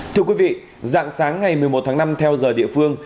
thưa quý vị dạng sáng ngày một mươi một tháng năm theo giờ địa phương